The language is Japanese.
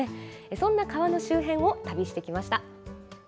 そんな川の周辺を旅してきました。